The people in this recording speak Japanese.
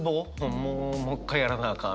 もうもう一回やらなあかんみたいな。